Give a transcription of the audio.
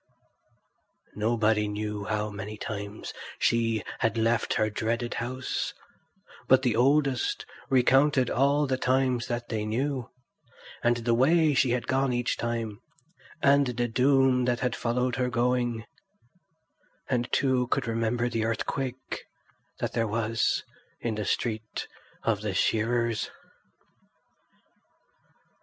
Nobody knew how many times she had left her dreaded house; but the oldest recounted all the times that they knew, and the way she had gone each time, and the doom that had followed her going; and two could remember the earthquake that there was in the street of the shearers.